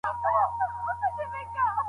نړيوال اثار بايد وژباړل سي.